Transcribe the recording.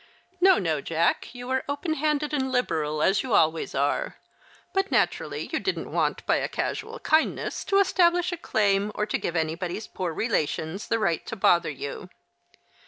" No, no. Jack, you were open handed and liberal, as you always are ; but naturally you didn't want, by a casual kindness, to establish a claim, or to give anybody's poor relations the right to bother you.